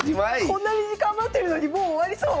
こんなに時間余ってるのにもう終わりそう私。